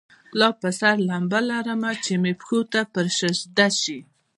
لا پر سر لمبه لرمه چي مي پښو ته پر سجده سي